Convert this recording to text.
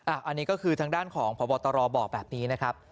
อันนี้ก็คือทางด้านของพบตรบอกแบบนี้นะครับ